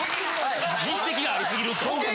実績がありすぎると。